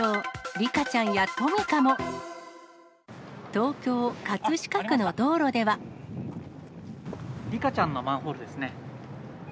リカちゃんのマンホールです